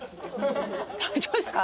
大丈夫ですか？